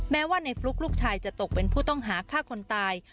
แม้ว่าในฟลุ๊กลูกชายจะตกเป็นผู้ต้องหาฆ่าคนตาย